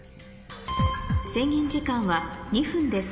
制限時間は２分です